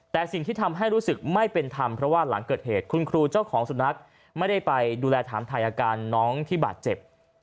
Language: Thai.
แต่สิ่งที่ทำให้รู้สึกไม่เป็นธรรมเพราะว่าหลังเกิดเหตุคุณครูเจ้าของสุนัขไม่ได้ไปดูแลถามถ่ายอาการน้องที่บาดเจ็บ